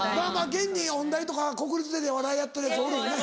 現に音大とか国立出てお笑いやっとるヤツおるよね。